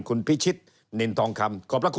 คุณพิชิตนินทองคำ